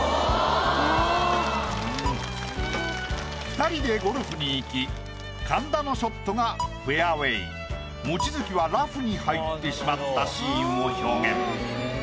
二人でゴルフに行き神田のショットがフェアウェイ望月はラフに入ってしまったシーンを表現。